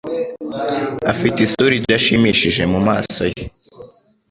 Afite isura idashimishije mumaso ye.